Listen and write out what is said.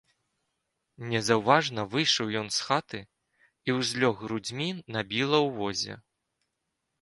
Незаўважна выйшаў ён з хаты і ўзлёг грудзьмі на біла ў возе.